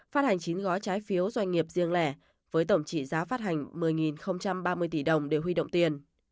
phát hành chín gói trái phiếu doanh nghiệp riêng lẻ với tổng trị giá phát hành một mươi ba mươi tỷ đồng để huy động tiền